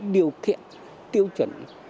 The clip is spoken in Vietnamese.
điều kiện tiêu chuẩn